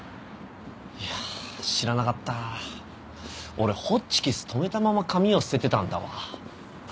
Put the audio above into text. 俺ホッチキスとめたまま紙を捨ててたんだわ。